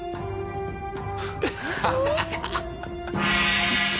ハハハッ！